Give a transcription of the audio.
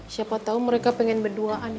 siapa tahu mereka pengen berduaan